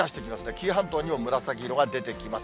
紀伊半島にも紫色が出てきます。